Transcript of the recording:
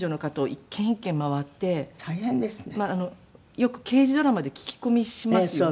よく刑事ドラマで聞き込みしますよね。